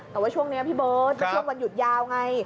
แต่ว่าช่วงนี้พี่เบิร์ตเป็นช่วงวันหยุดยาวไง